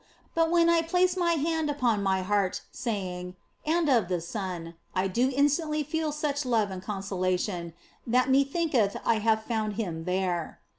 But when I place my hand upon my heart, saying, " and of the Son," I do instantly feel such love and consolation that methinketh I have found Him there.